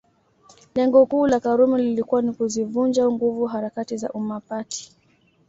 Lengo kuu la Karume lilikuwa ni kuzivunja nguvu harakati za Umma Party